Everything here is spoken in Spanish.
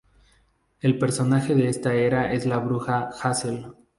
El personaje de esta era es la bruja Hazel.